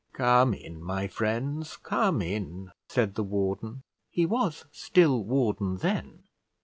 "Come in, my friends, come in," said the warden; he was still warden then.